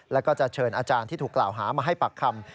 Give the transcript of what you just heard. แล้วก็จะเชิญอาจารย์ที่ถูกกล่าวหามาให้ปากคำ